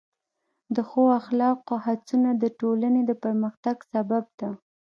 د ښو اخلاقو هڅونه د ټولنې د پرمختګ سبب ده.